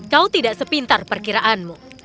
kau tidak sepintar perkiraanmu